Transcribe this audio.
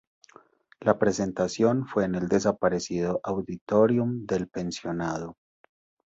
La presentación fue en el desaparecido Auditorium del Pensionado.